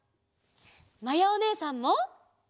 まやおねえさんも！